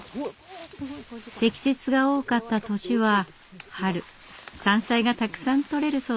積雪が多かった年は春山菜がたくさん採れるそうです。